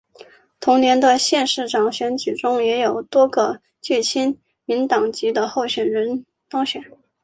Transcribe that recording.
同年的县市长选举中也有多个具亲民党籍的候选人当选。